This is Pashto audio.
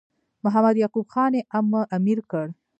محمد یعقوب خان یې امیر کړ.